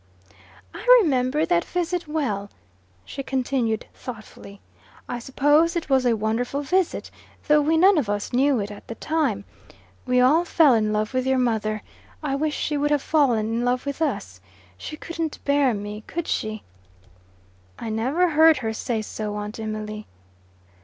"I remember that visit well," she continued thoughtfully, "I suppose it was a wonderful visit, though we none of us knew it at the time. We all fell in love with your mother. I wish she would have fallen in love with us. She couldn't bear me, could she?" "I never heard her say so, Aunt Emily."